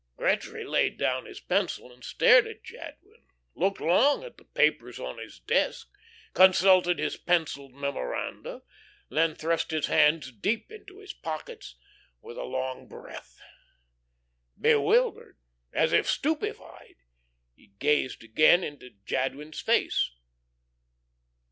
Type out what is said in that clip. Gretry laid down his pencil and stared at Jadwin, looked long at the papers on his desk, consulted his pencilled memoranda, then thrust his hands deep into his pockets, with a long breath. Bewildered, and as if stupefied, he gazed again into Jadwin's face.